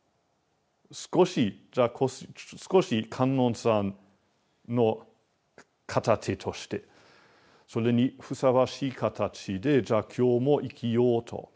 少しじゃあ少し観音さんの片手としてそれにふさわしい形でじゃあ今日も生きようと。